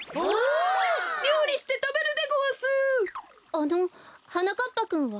あのはなかっぱくんは？